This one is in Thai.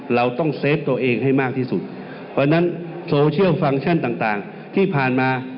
เราต้องเซฟตัวเองให้มากที่สุดเพราะฉะนั้นโซเชียลฟังก์ชั่นต่างต่างที่ผ่านมา